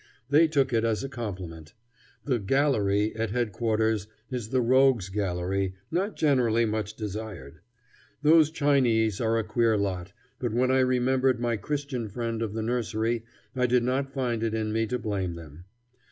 They took it as a compliment. The "gallery" at Headquarters is the rogues' gallery, not generally much desired. Those Chinese are a queer lot, but when I remembered my Christian friend of the nursery I did not find it in me to blame them.